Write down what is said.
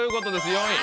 ４位。